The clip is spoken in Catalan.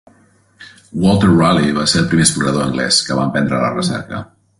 Walter Raleigh va ser el primer explorador anglès que va emprendre la recerca.